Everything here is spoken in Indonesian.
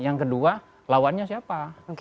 yang kedua lawannya siapa